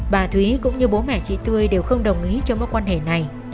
bà thúy cũng như bố mẹ chị tươi đều không đồng ý cho mối quan hệ này